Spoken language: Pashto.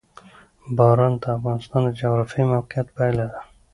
باران د افغانستان د جغرافیایي موقیعت پایله ده.